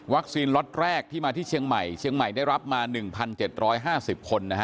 ล็อตแรกที่มาที่เชียงใหม่เชียงใหม่ได้รับมา๑๗๕๐คนนะฮะ